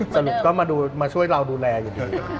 สรุปก็มาช่วยเราดูแลอย่างนี้